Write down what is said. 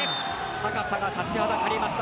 高さが立ちはだかりました。